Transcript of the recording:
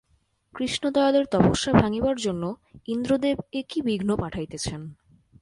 কৃষ্ণদয়ালের তপস্যা ভাঙিবার জন্য ইন্দ্রদেব এ কী বিঘ্ন পাঠাইতেছেন!